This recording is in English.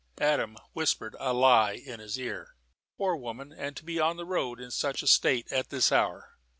Adam whispered a lie in his ear. "Poor woman, and to be on the road, in such a state, at this hour!